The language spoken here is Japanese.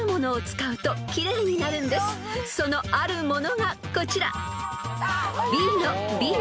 ［そのあるものがこちら］